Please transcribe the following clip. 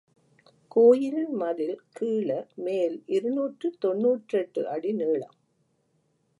கோயிலின் மதில் கிழ மேல் இருநூற்று தொன்னூற்றெட்டு அடி நீளம்.